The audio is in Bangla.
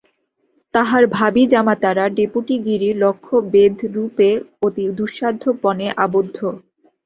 তাঁহার ভাবী জামাতারা ডেপুটিগিরির লক্ষ্যবেধরূপে অতি দুঃসাধ্য পণে আবদ্ধ।